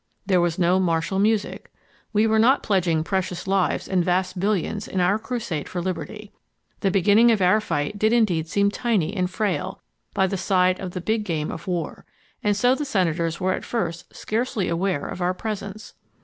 There was no martial music. We were not pledging precious lives and vast billions in our crusade for liberty. The beginning of our fight did indeed seem tiny and frail by the side of the big game of war, and so the senators were at first scarcely aware of our presence.